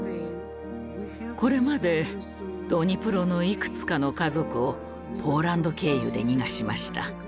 これまでドニプロのいくつかの家族をポーランド経由で逃がしました。